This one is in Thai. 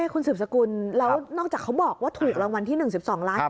คุณสืบสกุลแล้วนอกจากเขาบอกว่าถูกรางวัลที่๑๒ล้าน